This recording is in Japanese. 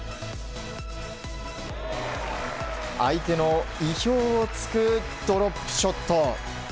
相手の意表を突くドロップショット。